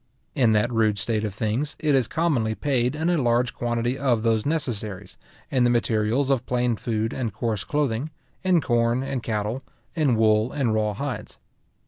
In that rude state of things, it is commonly paid in a large quantity of those necessaries, in the materials of plain food and coarse clothing, in corn and cattle, in wool and raw hides.